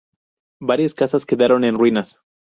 Varias casas quedaron en ruinas.